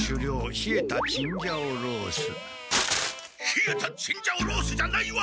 ひえたチンジャオロースじゃないわ！